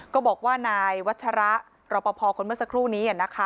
ก็บอกว่านายวัชระรอปภคนเมื่อสักครู่นี้นะคะ